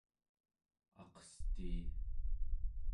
atqestii